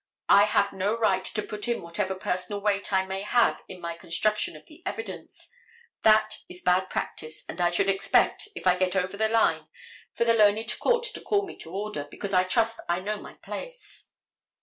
I have no right to put in whatever personal weight I may have in my construction of the evidence. That is bad practice, and I should expect, if I get over the line, for the learned court to call me to order, because I trust I know my place.